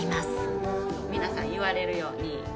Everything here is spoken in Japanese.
皆さん言われるように。